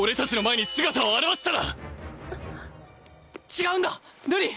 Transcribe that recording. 違うんだ瑠璃！